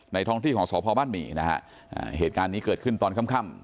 ท้องที่ของสพบ้านหมี่นะฮะเหตุการณ์นี้เกิดขึ้นตอนค่ำ